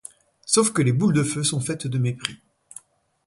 Sauf que les boules de feu sont faites de mépris.